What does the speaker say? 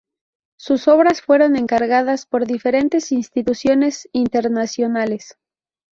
Sus obras fueron encargadas por diferentes instituciones internacionales.